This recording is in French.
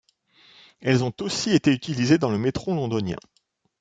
Elles ont aussi été utilisées dans le métro londonien.